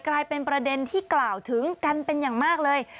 กลายเป็นประเด็นที่กล่าวถึงกันเป็นอย่างมากเลย